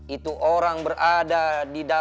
itu orang berada